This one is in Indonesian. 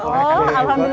oh alhamdulillah banget ya